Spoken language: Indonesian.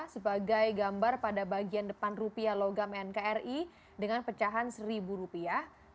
sebagai gambar pada bagian depan rupiah logam nkri dengan pecahan seribu rupiah